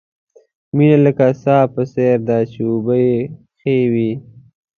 مینه لکه د څاه په څېر ده، چې اوبه یې ښې وي.